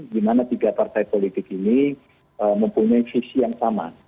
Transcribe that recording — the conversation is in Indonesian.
di mana tiga partai politik ini mempunyai sisi yang sama